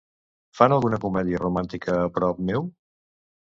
Fan alguna comèdia romàntica a prop meu?